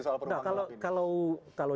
soal perubahan gelap ini kalau